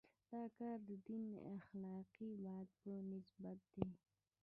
دا کار د دین اخلاقي بعد په نسبت دی.